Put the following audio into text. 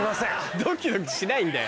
ドキドキしないんだよ。